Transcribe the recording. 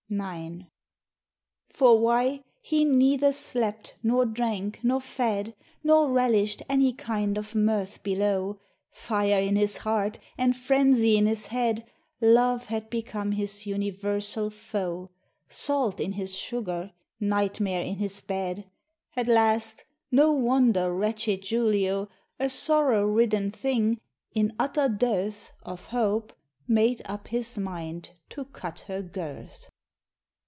IX. For why, he neither slept, nor drank, nor fed, Nor relished any kind of mirth below; Fire in his heart, and frenzy in his head, Love had become his universal foe, Salt in his sugar nightmare in his bed, At last, no wonder wretched Julio, A sorrow ridden thing, in utter dearth Of hope, made up his mind to cut her girth!